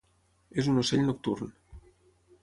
És un ocell nocturn.